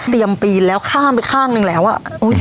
เตรียมปีนแล้วข้างไปข้างหนึ่งแล้วอ่ะโอ้ย